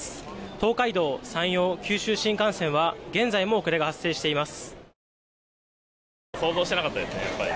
東海道・山陽・九州新幹線は現在も遅れが発生しています。